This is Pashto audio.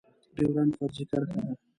ډيورنډ فرضي کرښه ده